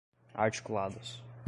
articulados